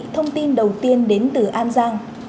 thông tin đầu tiên đến từ an giang